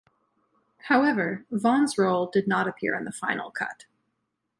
However, Vaughn's role did not appear in the final cut.